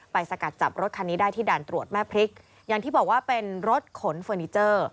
สกัดจับรถคันนี้ได้ที่ด่านตรวจแม่พริกอย่างที่บอกว่าเป็นรถขนเฟอร์นิเจอร์